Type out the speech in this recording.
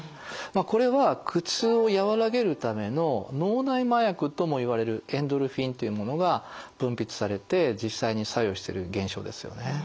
これは苦痛を和らげるための脳内麻薬ともいわれるエンドルフィンというものが分泌されて実際に作用してる現象ですよね。